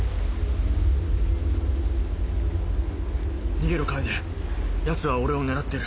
逃げろ楓奴は俺を狙ってる。